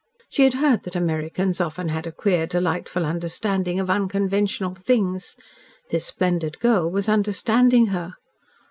She had heard that Americans often had a queer, delightful understanding of unconventional things. This splendid girl was understanding her.